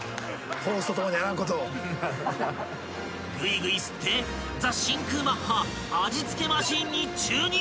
［ぐいぐい吸ってザ★真空マッハ味付けマシンに注入！］